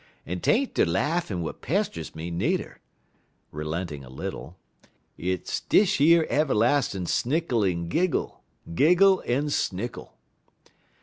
En 'taint der laughin' w'at pesters me, nudder," relenting a little, "hit's dish yer ev'lastin' snickle en giggle, giggle en snickle."